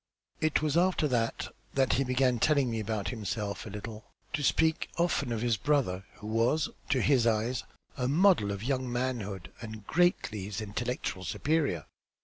It was after that that he began telling me about himself a little; to speak often of his brother, who was, to his eyes, a model of young manhood and greatly his intellectual superior."